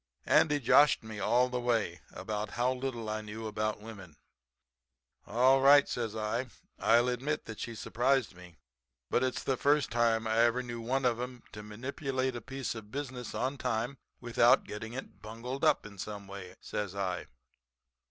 "Andy joshed me all the way about how little I knew about women. "'All right,' says I. 'I'll admit that she surprised me. But it's the first time I ever knew one of 'em to manipulate a piece of business on time without getting it bungled up in some way,' says I.